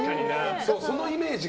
そのイメージが。